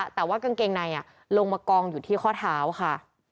แต่ว่ากางเกงในลงมากองอยู่ที่ข้อเท้าค่ะ